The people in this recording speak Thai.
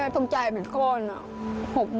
น่าแน่นอนป้าดาอาจจะถือบ้านกลับกลัวได้